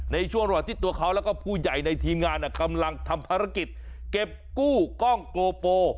ในช่วงระหว่างที่ตัวเขาแล้วก็ผู้ใหญ่ในทีมงานกำลังทำภารกิจเก็บกู้กล้องโกโป